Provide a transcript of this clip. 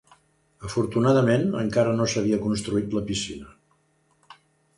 Afortunadament, encara no s'havia construït la piscina.